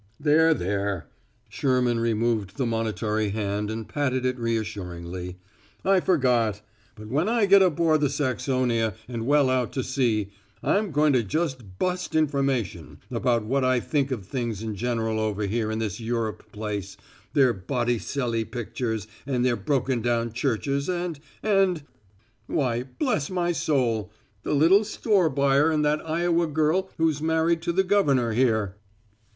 "There, there!" Sherman removed the monitory hand and patted it reassuringly. "I forgot. But when I get aboard the Saxonia and well out to sea, I'm going to just bust information about what I think of things in general over here in this Europe place their Bottycelly pictures and their broken down churches and and Why, bless my soul! The little store buyer and that Iowa girl who's married to the governor here!"